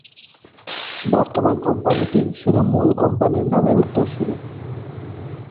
বর্তমান কোম্পানিটি শুধু মূল কোম্পানির নামের উত্তরসূরি।